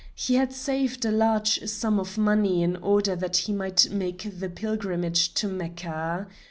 He had saved a large sum of money in order that he might make the pilgrimage to Mecca.